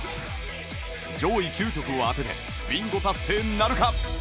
上位９曲を当ててビンゴ達成なるか？